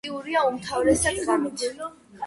აქტიურია უმთავრესად ღამით.